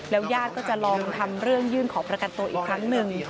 ญาติก็จะลองทำเรื่องยื่นขอประกันตัวอีกครั้งหนึ่ง